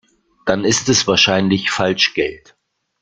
Dann ist es wahrscheinlich Falschgeld.